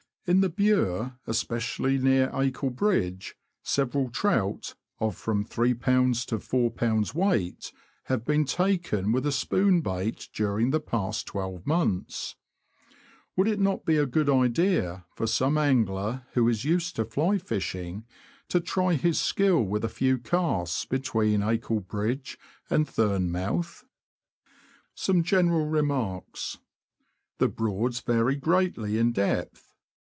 In the Bure, especially near Acle Bridge, several trout, of from 31b. to 41b. weight, have been taken with a spoon bait during the past twelve months. Would it not be a good idea for some angler who is used to fly fishing to try his skill with a few casts between Acle Bridge and Thurne Mouth? THE FISH OF THE BROADS. 305 General Remarks. — The Broads vary greatly in depth.